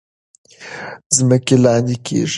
ځمکې لاندې کیږي.